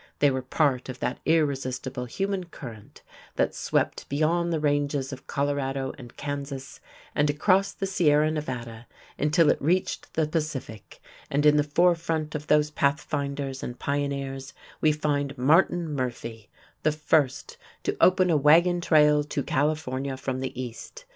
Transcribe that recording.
They were part of that irresistible human current that swept beyond the ranges of Colorado and Kansas and across the Sierra Nevada until it reached the Pacific, and in the forefront of those pathfinders and pioneers we find Martin Murphy, the first to open a wagon trail to California from the East.